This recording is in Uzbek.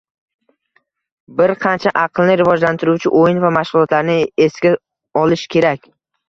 Bir qancha aqlni rivojlantiruvchi o‘yin va mashg‘ulotlarni esga olish kerak.